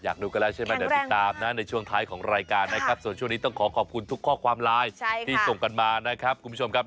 ดูกันแล้วใช่ไหมเดี๋ยวติดตามนะในช่วงท้ายของรายการนะครับส่วนช่วงนี้ต้องขอขอบคุณทุกข้อความไลน์ที่ส่งกันมานะครับคุณผู้ชมครับ